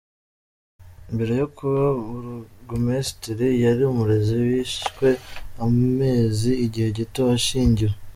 Mbere yo kuba Burugumesitiri yari umurezi, yishwe amaze igihe gito ashyingiwe.